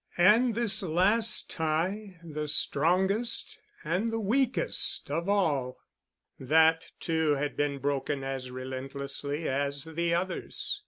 And this last tie—the strongest and the weakest of all—that too had been broken as relentlessly as the others.